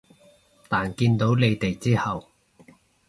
但見到你哋之後